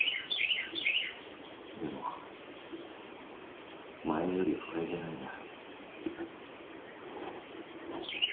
でも前より不快じゃないな